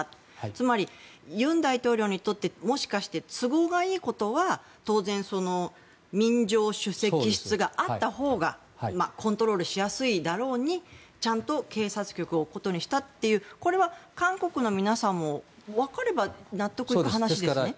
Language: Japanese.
つまり、尹大統領にとってもしかして都合がいいことは当然、民情首席室があったほうがコントロールしやすいだろうにちゃんと警察局を置くことにしたというこれは韓国の皆さんも分かれば納得いく話ですね。